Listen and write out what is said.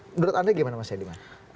menurut anda gimana mas said iman